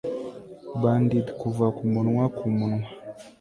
Bandeed kuva kumunwa kumunwa